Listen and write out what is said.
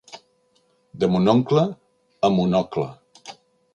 De Mon oncle a Monocle.